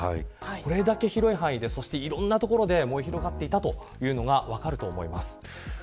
これだけ広い範囲で、いろんな所で燃え広がっていたというのが分かると思います。